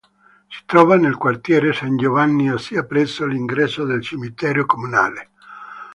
Si trova nel quartiere San Giovanni, ossia presso l'ingresso del cimitero comunale.